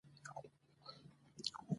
هغه مشرتابه چې رښتیا نه وايي ژر افشا کېږي